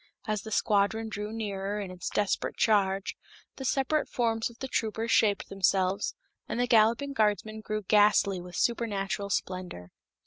As the squadron drew nearer in its desperate charge, the separate forms of the troopers shaped themselves, and the galloping guardsmen grew ghastly with supernatural splendor.